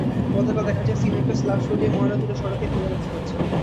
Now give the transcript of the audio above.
গতকাল দেখা যায়, সিমেন্টের স্লাব সরিয়ে ময়লা তুলে সড়কেই ফেলে রাখা হয়েছে।